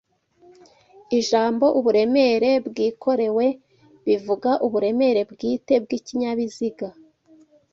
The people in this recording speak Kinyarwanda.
Ijambo uburemere bwikorewe bivuga uburemere bwite bw'ikinyabiziga